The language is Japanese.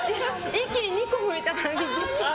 一気に２個いったから。